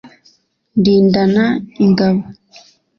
ndindana ingabo.